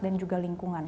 dan juga lingkungan